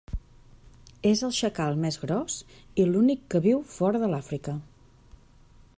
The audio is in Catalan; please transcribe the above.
És el xacal més gros i l'únic que viu fora de l'Àfrica.